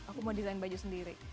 aku mau desain baju sendiri